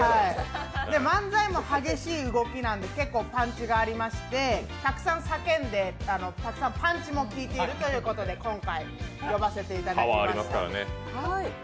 漫才も激しい動きなので結構パンチがありまして、たくさん叫んで、たくさんパンチも効いているということで、今回、呼ばせていただきました。